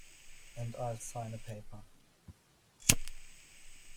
And I'll sign a paper.